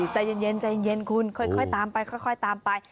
ใจเย็นคุณค่อยตามไปตามไป